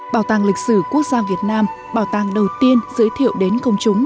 bảo tàng lịch sử quốc gia việt nam bảo tàng đầu tiên giới thiệu đến công chúng